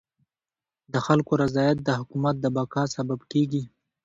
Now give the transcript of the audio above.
د خلکو رضایت د حکومت د بقا سبب کيږي.